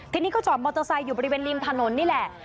ทีนี้ก็จอดมอเตอร์ไซค์อยู่บริเวณริมถนนนี่แหละ